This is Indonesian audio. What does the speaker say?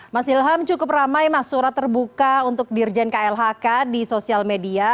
mas ilham cukup ramai mas surat terbuka untuk dirjen klhk di sosial media